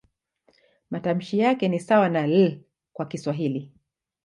Matamshi yake ni sawa na "L" kwa Kiswahili.